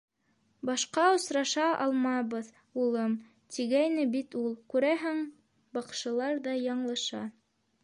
«Башҡа осраша алмабыҙ, улым», - тигәйне бит ул. Күрәһең... баҡшылар ҙа яңылыша.